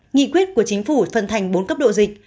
nghị quyết của chính phủ phân thành bốn cấp độ dịch